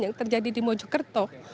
yang terjadi di mojokerto